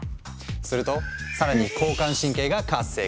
すると更に交感神経が活性化。